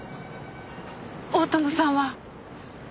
大友さんは？